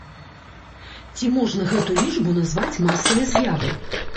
Ці можна гэту лічбую назваць масавай з'явай?